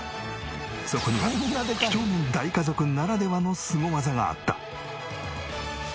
そこには几帳面大家族ならではのスゴ技があった。